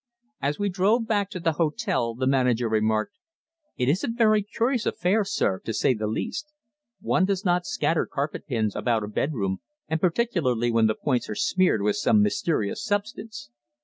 As we drove back to the hotel the manager remarked: "It is a very curious affair, sir, to say the least. One does not scatter carpet pins about a bedroom, and particularly when the points are smeared with some mysterious substance.